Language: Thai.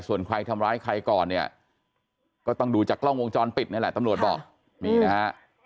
ส่วนใครทำร้ายใครก่อนเนี่ยก็ต้องดูจากกล้องวงจรปิดนี่แหละตำรวจบอกนี่นะฮะ